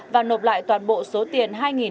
và nộp lại toàn bộ số tiền hai hai trăm linh